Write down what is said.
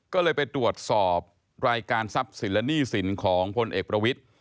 ก็เลยไปตรวจสอบรายการทรัพย์สินและหนี้สินของพลเอกประวิทธิ